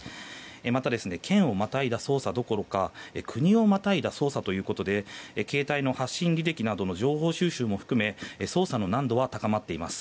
また、県をまたいだ捜査どころか国をまたいだ捜査ということで携帯の発信履歴の情報収集なども含めて捜査の難度は高まっています。